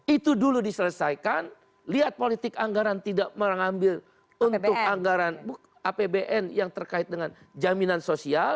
itu dulu diselesaikan lihat politik anggaran tidak mengambil untuk anggaran apbn yang terkait dengan jaminan sosial